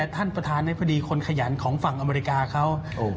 ท่านประธานในพอดีคนขยันของฝั่งอเมริกาเขา